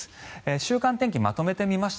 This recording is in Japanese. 週間天気、まとめてみました